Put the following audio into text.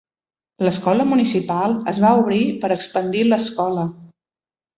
L'escola municipal es va obrir per expandir l'escola.